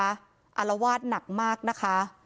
อารวาสหนักมากนะคะ